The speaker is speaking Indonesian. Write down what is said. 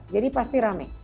jadi pasti rame